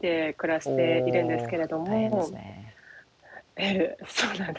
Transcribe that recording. ええそうなんです。